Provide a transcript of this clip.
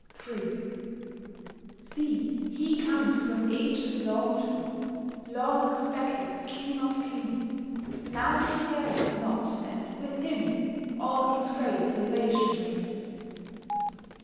III See He comes whom ages longed for— Long expected King of kings— Now He tarries not, and with Him All His great salvation brings.